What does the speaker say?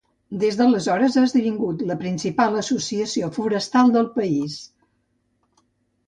Des d'aleshores ha esdevingut la principal associació forestal del país.